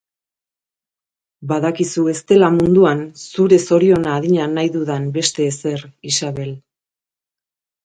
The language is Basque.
Badakizu ez dela munduan zure zoriona adina nahi dudan beste ezer, Isabel.